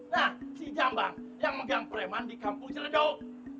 nah si jambang yang megang preman di kampung ciledau